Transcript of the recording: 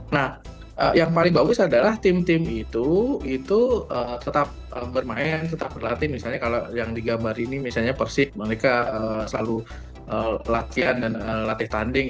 nah yang paling bagus adalah tim tim itu itu tetap bermain tetap berlatih misalnya kalau yang digambar ini misalnya persib mereka selalu latihan dan latih tanding